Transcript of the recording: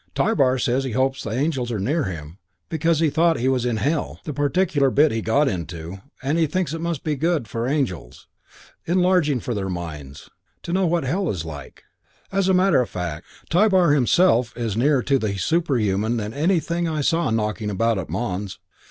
Tybar says he hopes the angels were near him, because he thought he was in hell, the particular bit he got into, and he thinks it must be good for angels, enlarging for their minds, to know what hell is like! As a matter of fact, Tybar himself is nearer to the superhuman than anything I saw knocking about at Mons.